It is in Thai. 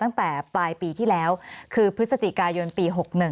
ตั้งแต่ปลายปีที่แล้วคือพฤศจิกายนปี๖๑